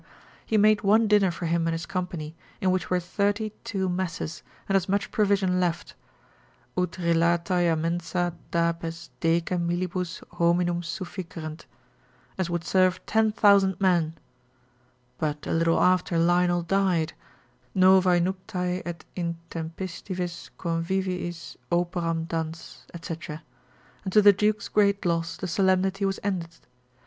he made one dinner for him and his company, in which were thirty two messes and as much provision left, ut relatae a mensa dapes decem millibus hominum sufficerent, as would serve ten thousand men: but a little after Lionel died, novae nuptae et intempestivis conviviis operam dans, &c., and to the duke's great loss, the solemnity was ended.